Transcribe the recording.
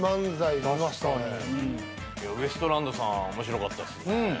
ウエストランドさん面白かったですね。